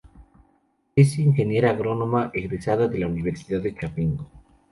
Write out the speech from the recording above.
Es ingeniera agrónoma egresada de la Universidad de Chapingo.